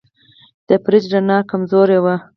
د فریج رڼا کمزورې وه.